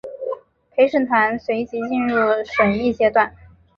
陪审团随即进入审议阶段。